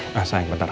nah sayang bentar